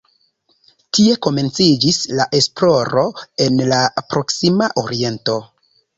Tie komenciĝis la esploro en la Proksima Oriento.